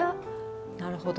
なるほど。